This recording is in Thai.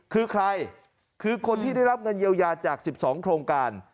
คือใครคือคนที่ได้รับเงินเยียวยาจาก๑๒โครงการ